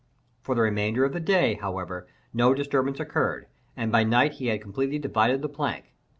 For the remainder of the day, however, no disturbance occurred, and by night he had completely divided the plank.